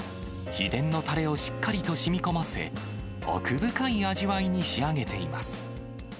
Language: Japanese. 秘伝のたれをしっかりとしみこませ、奥深い味わいに仕上げています。